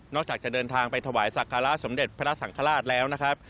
จากจะเดินทางไปถวายสักการะสมเด็จพระสังฆราชแล้วนะครับ